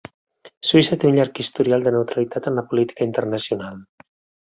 Suïssa té un llarg historial de neutralitat en la política internacional.